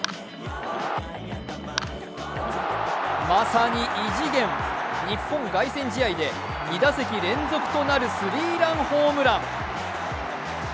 まさに異次元、日本凱旋試合で２打席連続となるスリーランホームラン。